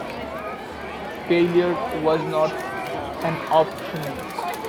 Failure was not an option.